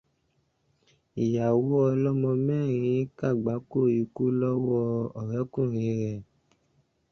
Ìyá ọlọ́mọ mẹ́rin kagbako ikú lọ́wọ́ ọ̀rẹ́kùnrin rẹ̀.